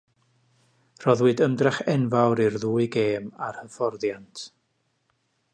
Rhoddwyd ymdrech enfawr i'r ddwy gêm a'r hyfforddiant.